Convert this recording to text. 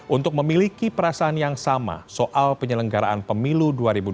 untuk memiliki perasaan yang sama soal penyelenggaraan pemilu dua ribu dua puluh